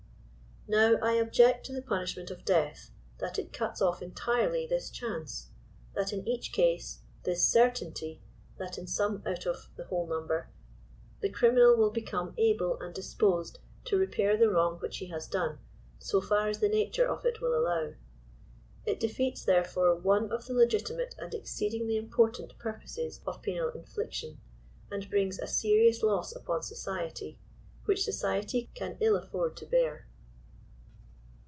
Now I object to the punishment of death, that it cuts off entirely this chancCf that in each case, — this certainty^ that in some out of the whole number, — the criminal will become able and disposed to repair the wrong which he has done, so far as the nature of it will allow. It defeats, therefore, one of the legitimate and exceedingly 3* 30 important purposes of penal infliction, ard brings a serious loss upon society, which society can ill afford to bear.